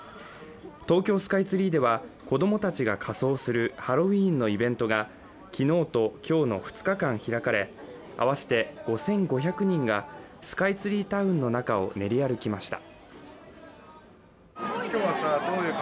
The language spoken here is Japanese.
東京スカイツリーでは、子供たちが仮装するハロウィーンのイベントが昨日と今日の２日間、開かれ、合わせて５５００人がスカイツリータウンの中を練り歩きました。